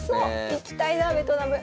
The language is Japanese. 行きたいなベトナム。